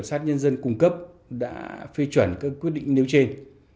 cảm sát nhân dân cung cấp đã phê chuẩn các quyết định nếu trên